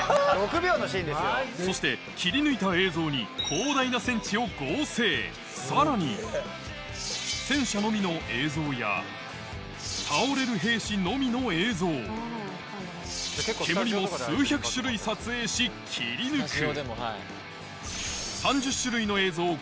そして切り抜いた映像にさらに戦車のみの映像や倒れる兵士のみの映像煙も数百種類撮影し切り抜く